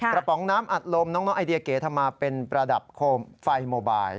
ป๋องน้ำอัดลมน้องไอเดียเก๋ทำมาเป็นประดับโคมไฟโมบาย